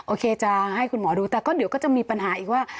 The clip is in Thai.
โอเคจะให้คุณหมอดูแต่ก็เดี๋ยวก็จะมีปัญหาอีกว่า